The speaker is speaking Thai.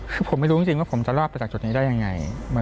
คือผมไม่รู้จริงว่าผมจะรอดไปจากจุดนี้ได้ยังไง